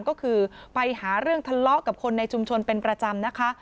ก็คือไปหาเรื่องทะเลาะกับคนในชุมชนเป็นประจำนะคะ